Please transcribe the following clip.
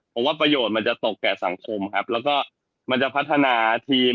ผมว่าประโยชน์มันจะตกแก่สังคมครับแล้วก็มันจะพัฒนาทีม